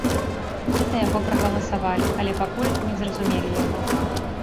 Мы за яго прагаласавалі, але пакуль не зразумелі яго.